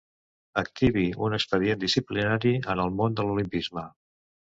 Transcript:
Activi un expedient disciplinari en el món de l'olimpisme.